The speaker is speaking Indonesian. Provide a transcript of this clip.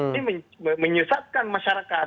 ini menyesatkan masyarakat